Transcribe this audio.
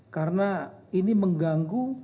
karena ini mengganggu